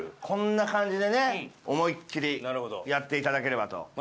こんな感じでね思いっきりやって頂ければと。